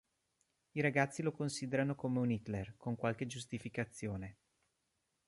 I ragazzi lo considerano come un Hitler, con qualche giustificazione.